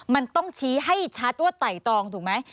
มันต้องชี้ให้ชัดว่าไต่ตองถูกไหม